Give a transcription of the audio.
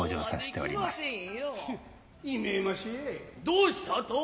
どうしたと。